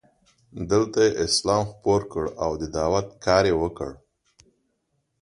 دلته یې اسلام خپور کړ او د دعوت کار یې وکړ.